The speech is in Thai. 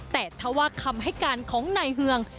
แต่ถ้าว่าคำให้การของนายเฮือง